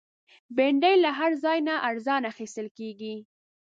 بېنډۍ له هر ځای نه ارزانه اخیستل کېږي